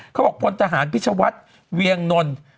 เขาบอกโพลตหารพิชวัฒน์เวียงนล